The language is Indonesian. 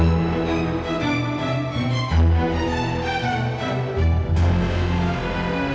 milih kembali kabur anak compra